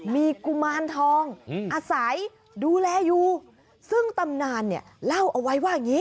มีกุมารทองอาศัยดูแลอยู่ซึ่งตำนานเนี่ยเล่าเอาไว้ว่าอย่างนี้